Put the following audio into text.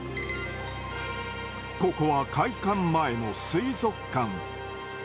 ここは開館前の水族館。